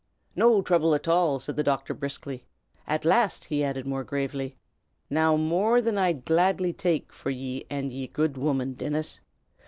"No throuble at all!" said the doctor, briskly. "At laste," he added more gravely, "naw moor thin I'd gladly take for ye an' yer good woman, Dinnis!